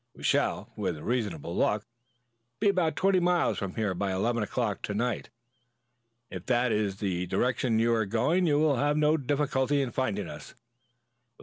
We shall, with reasonable luck, be about twenty miles from here by eleven o'clock to night. If that is the direction you are going you will have no difficulty in finding us.